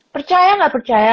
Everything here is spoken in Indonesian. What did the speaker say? percaya gak percaya